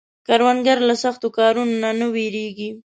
کروندګر له سختو کارونو نه نه ویریږي